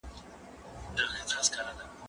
زه پرون لیکل وکړل؟